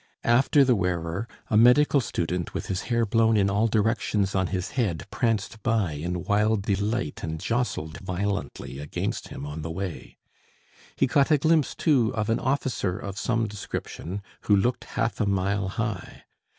After the wearer a medical student, with his hair blown in all directions on his head, pranced by in wild delight and jostled violently against him on the way. He caught a glimpse, too, of an officer of some description, who looked half a mile high.